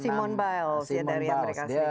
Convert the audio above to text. simon biles ya dari amerika serikat